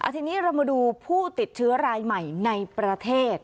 ทีนี้เรามาดูผู้ติดเชื้อรายใหม่ในประเทศ